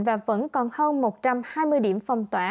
và vẫn còn hơn một trăm hai mươi điểm phong tỏa